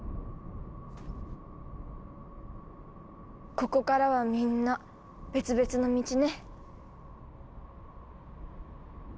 ここからはみんな別々の道ね。